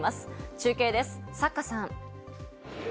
中継です、属さん。